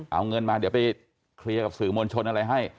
เอาเงินมาเดี๋ยวไปเคลียร์กับสื่อมวลชนอะไรให้